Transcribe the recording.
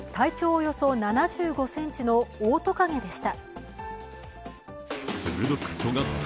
およそ７５ｃｍのオオトカゲでした。